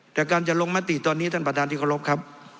แต่การจะลงมติตอนนี้ท่านประธานที่เคารพครับ